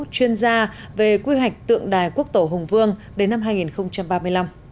chuyên gia về quy hoạch tượng đài quốc tổ hùng vương đến năm hai nghìn ba mươi năm